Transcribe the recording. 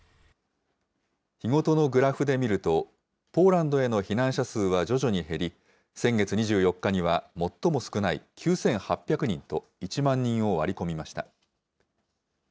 日ごとのグラフで見ると、ポーランドへの避難者数は徐々に減り、先月２４日には最も少ない９８００人と１万人を割り込みました。